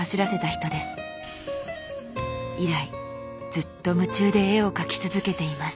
以来ずっと夢中で絵を描き続けています。